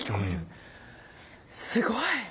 すごい。